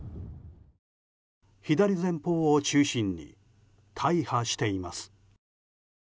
左前方を中心に大破しています。